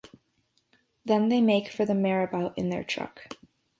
Then they make for the marabout in their truck.